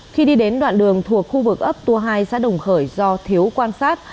khi đi đến đoạn đường thuộc khu vực ấp tua hai xã đồng khởi do thiếu quan sát